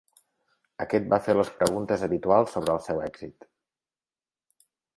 Aquest va fer les preguntes habituals sobre el seu èxit.